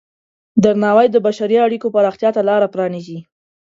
درناوی د بشري اړیکو پراختیا ته لاره پرانیزي.